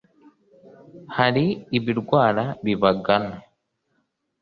hari ibirwara bibagana